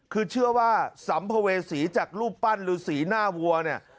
คือเชื่อว่าสัมภเวษีจากรูปปั้นฤษีหน้าวัวเนี่ย